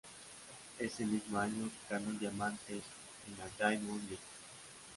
Ese mismo año ganó el diamante en la Diamond League.